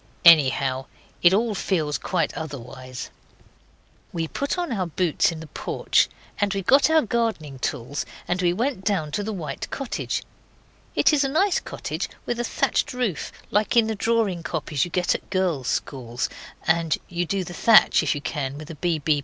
Anyhow it all feels quite otherwise. We put on our boots in the porch, and we got our gardening tools and we went down to the white cottage. It is a nice cottage, with a thatched roof, like in the drawing copies you get at girls' schools, and you do the thatch if you can with a B.B.